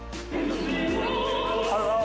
ハロー！